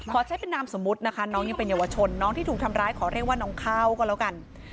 ขอใช้เป็นนามสมมุตินะคะน้องยังเป็นเยาวชนน้องที่ถูกทำร้ายขอเรียกว่าน้องข้าวก็แล้วกัน